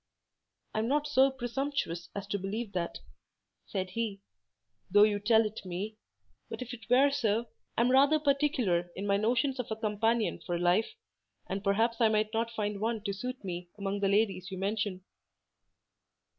"I am not so presumptuous as to believe that," said he, "though you tell it me; but if it were so, I am rather particular in my notions of a companion for life, and perhaps I might not find one to suit me among the ladies you mention."